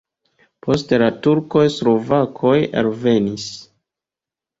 Post la turkoj slovakoj alvenis.